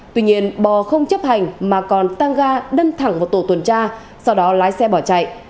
tuy nhiên bò không chấp hành mà còn tăng ga đâm thẳng vào tổ tuần tra sau đó lái xe bỏ chạy